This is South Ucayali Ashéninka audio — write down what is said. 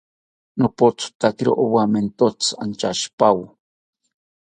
Nopothotakiro owamentotzi antyashipawo